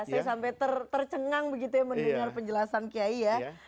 saya sampai tercengang begitu ya mendengar penjelasan kiai ya